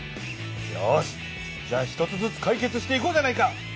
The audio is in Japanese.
よしじゃあ１つずつかい決していこうじゃないか。